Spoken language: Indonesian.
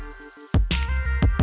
terima kasih pak